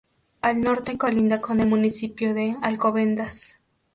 Al norte colinda con el municipio de Alcobendas.